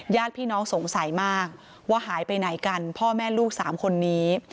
ญาติพี่น้องสงสัยมากว่าหายไปไหนกันพ่อแม่ลูกสามคนนี้